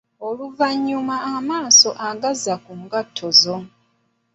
Oluvannyuma amaaso agazza ku ngatto zo.